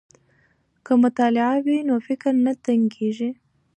که مطالعه وي نو فکر نه تنګیږي.